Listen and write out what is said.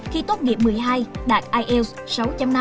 khi tốt nghiệp một mươi hai đạt ielts sáu năm